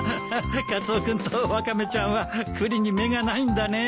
カツオ君とワカメちゃんは栗に目がないんだね。